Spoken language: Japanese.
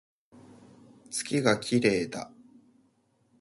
月が綺麗だ